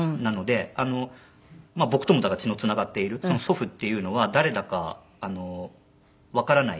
まあ僕ともだから血のつながっている祖父っていうのは誰だかわからない。